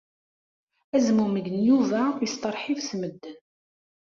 Azmumeg n Yuba yesteṛḥib s medden.